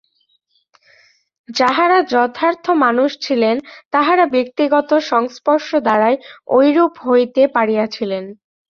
যাঁহারা যথার্থ মানুষ ছিলেন, তাঁহারা ব্যক্তিগত সংস্পর্শ দ্বারাই ঐরূপ হইতে পারিয়াছিলেন।